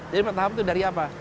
jadi bertahap itu dari apa